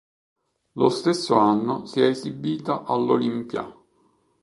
Lo stesso anno si è esibita all'Olympia.